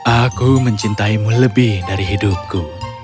aku mencintaimu lebih dari hidupku